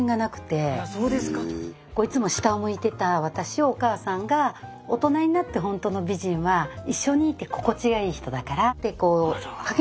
いつも下を向いてた私をお母さんが「大人になってほんとの美人は一緒にいて心地がいい人だから」ってこう励ましてくれて。